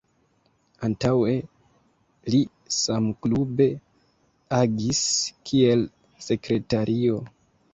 Antaŭe li samklube agis kiel sekretario.